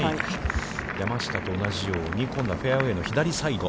山下と同じように、今度はフェアウェイの左サイド。